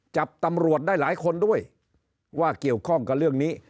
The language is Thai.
จับตำรวจได้หลายคนด้วยว่าเกี่ยวข้องกับเรื่องนี้